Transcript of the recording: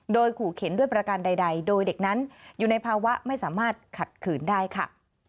โดยขู่เข็นด้วยประการใดโดยเด็กนั้นอยู่ในภาวะไม่สามารถขัดขืนได้ค่ะ